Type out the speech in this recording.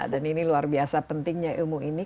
dan ini luar biasa pentingnya ilmu ini